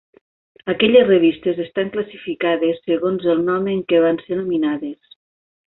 Aquelles revistes estan classificades segons el nom en què van ser nominades.